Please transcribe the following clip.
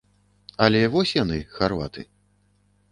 Але вось яны, харваты.